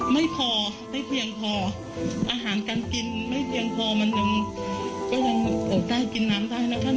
ไม่พอไม่เพียงพออาหารการกินไม่เพียงพอมันยังก็ยังอดได้กินน้ำได้นะท่าน